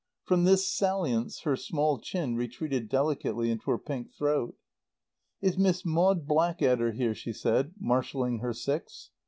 From this salience her small chin retreated delicately into her pink throat. "Is Miss Maud Blackadder here?" she said, marshalling her six.